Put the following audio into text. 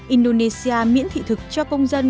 indonesia miễn thị thực cho công dân